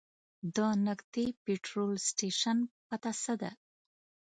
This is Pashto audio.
د نږدې پټرول سټیشن پته څه ده؟